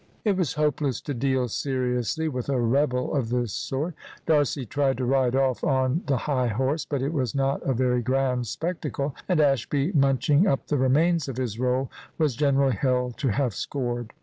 It was hopeless to deal seriously with a rebel of this sort. D'Arcy tried to ride off on the high horse; but it was not a very grand spectacle, and Ashby, munching up the remains of his roll, was generally held to have scored.